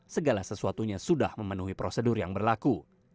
segala sesuatunya sudah memenuhi prosedur yang berlaku